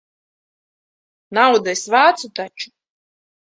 Naudu es vācu taču.